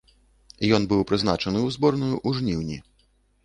Ён быў прызначаны ў зборную ў жніўні.